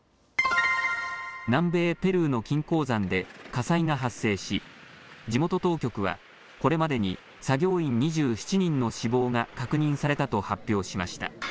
南米・ペルーの金鉱山で火災が発生し地元当局はこれまでに作業員２７人の死亡が確認されたと発表しました。